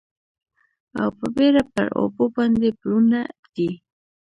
او په بیړه پر اوبو باندې پلونه ږدي